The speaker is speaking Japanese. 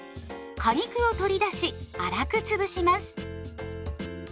果肉を取り出し粗くつぶします。